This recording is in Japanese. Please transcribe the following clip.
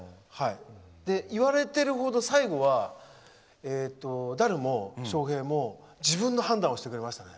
言われてるほど最後は、ダルも翔平も自分の判断をしてくれましたね。